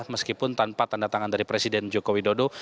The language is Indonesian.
meskipun tanpa tanda tangan dari presiden joko widodo